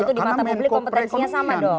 belum tentu di mata publik kompetensinya sama dong